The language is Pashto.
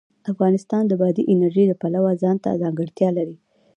افغانستان د بادي انرژي د پلوه ځانته ځانګړتیا لري.